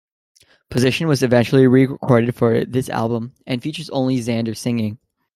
"Position" was eventually re-recorded for this album, and features only Zander singing.